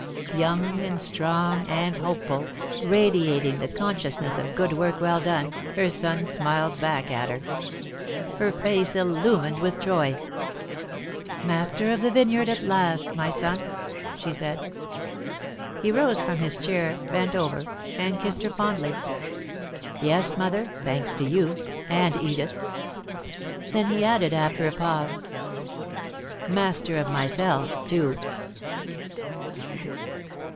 Young and strong and hopeful, radiating the consciousness of good work well done, her son smiled back at her. Her face illumined with joy. "Master of the vineyard at last, my son?" she said. He rose from his chair, bent over, and kissed her fondly. "Yes, Mother, thanks to you and Edith." Then he added, after a pause: "Master of myself, too."